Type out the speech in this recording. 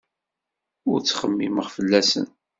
Ur ttxemmimeɣ fell-asen.